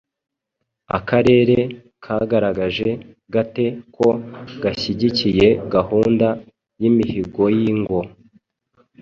Akarere kagaragaje gate ko gashyigikiye gahunda y’imihigoy’ingo?